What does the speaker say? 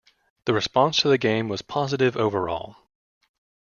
The response to the game was positive overall.